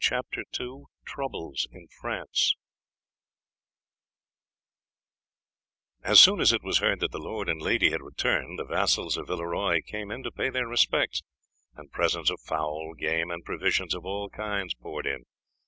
CHAPTER II TROUBLES IN FRANCE As soon as it was heard that the lord and lady had returned, the vassals of Villeroy came in to pay their respects, and presents of fowls, game, and provisions of all kinds poured in.